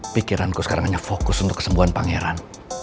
pikiranku sekarang hanya fokus untuk kesembuhan pangeran